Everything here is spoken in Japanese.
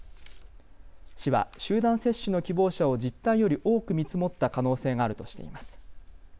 市は集団接種の希望者を実態より多く見積もった可能性があるとしています。